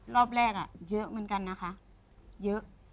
รอบแรกเยอะเหมือนกันนะคะเยอะ